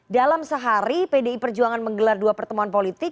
dalam sehari pdi perjuangan menggelar dua pertemuan politik